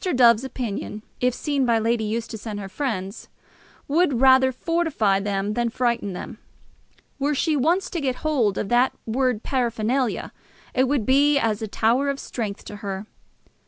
Dove's opinion, if seen by Lady Eustace and her friends, would rather fortify them than frighten them. Were she once to get hold of that word paraphernalia, it would be as a tower of strength to her. Mr.